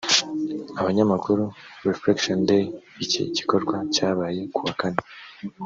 abanyamakuru reflection day iki gikorwa cyabaye kuwa kane